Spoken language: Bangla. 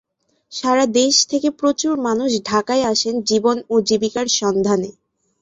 সারা দেশ থেকে প্রচুর মানুষ ঢাকায় আসেন জীবন ও জীবিকার সন্ধানে।